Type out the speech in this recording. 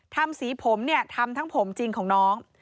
ทำสีผมเนี่ยทำทั้งผมจริงของน้อง